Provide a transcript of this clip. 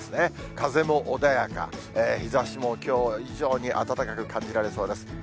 風も穏やか、日ざしもきょう以上に暖かく感じられそうです。